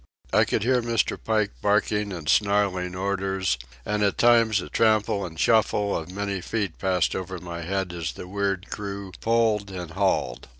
I could hear Mr. Pike barking and snarling orders, and at times a trample and shuffle of many feet passed over my head as the weird crew pulled and hauled.